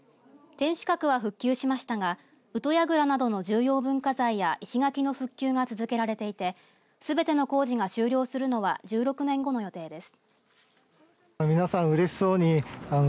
天守閣は、復帰しましたが宇土櫓などの重要文化財や石垣の復旧が続けられていてすべての工事が終了するのは１６年後の予定です。